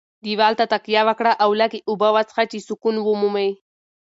دېوال ته تکیه وکړه او لږې اوبه وڅښه چې سکون ومومې.